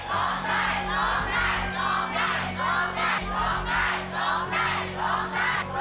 ร้องได้ร้องได้ร้องได้